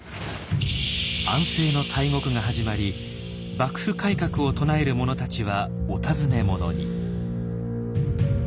安政の大獄が始まり幕府改革を唱える者たちはお尋ね者に。